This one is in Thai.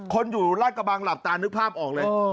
คนอยู่ราชกระบังหลับตานึกภาพออกเลย